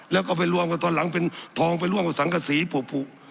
แล้วก็ไปรวมกันตอนหลังเป็นทองไปร่วมกับสังกษีผูก